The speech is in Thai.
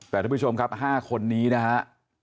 แต่ทุกผู้ชมครับ๕คนนี้นะครับ